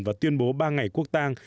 và tuyên bố ba ngày quốc tàng